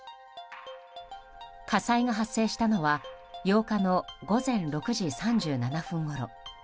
火災が発生したのは８日の午前６時３７分ごろ。